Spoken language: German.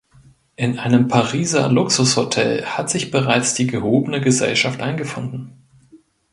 In einem Pariser Luxushotel hat sich bereits die gehobene Gesellschaft eingefunden.